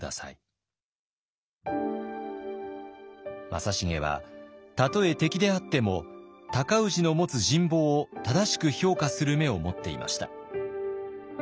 正成はたとえ敵であっても尊氏の持つ人望を正しく評価する目を持っていました。